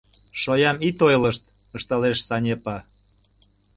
— Шоям ит ойлышт, — ышталеш Санепа.